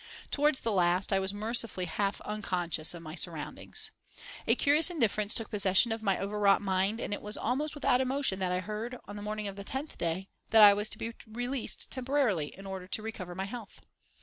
Towards the last, I was mercifully half unconscious of my surroundings. A curious indifference took possession of my over wrought mind, and it was almost without emotion that I heard, on the morning of the tenth day, that I was to be released temporarily in order to recover my health.